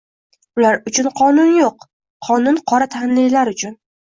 Ular uchun qonun yo'q, qonun qora tanlilar uchun